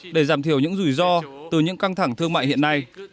để giảm thiểu những rủi ro từ những căng thẳng thương mại hiện nay